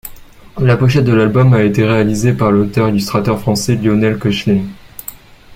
La pochette de l'album a été réalisé par l'auteur-illustrateur français, Lionel Koechlin.